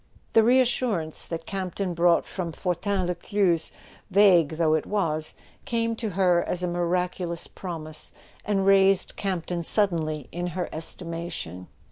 The reassurance that Campton brought from Fortin Lescluze, vague though it was, came to her as a miracu¬ lous promise, and raised Campton suddenly in her estimation.